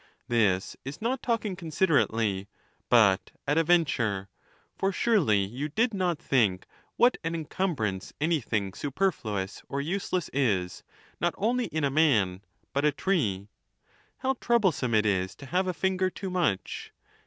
This is not talking considerately, but at a venture ; for surely you did not think what an encumbrance anything superfluous or useless is, not only in a rnan, but a tree. How troublesome it is to have a finger too much